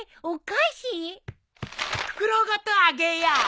袋ごとあげよう。